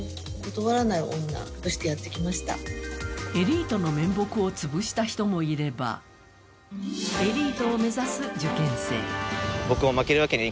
エリートの面目をつぶした人もいればエリートを目指す受験生。